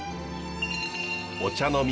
お茶の都